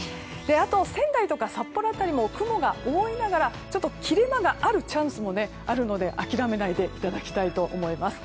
あと、仙台とか札幌辺りも雲が多いんですが切れ間があるチャンスもあるので諦めないでいただきたいと思います。